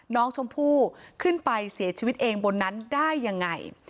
น้องชมพู่ขึ้นไปเสียชีวิตเองบนนั้นได้ยังไง